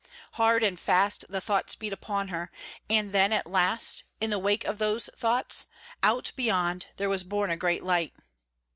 Hard and fast the thoughts beat upon her, and then at last in the wake of those thoughts, out beyond, there was born a great light.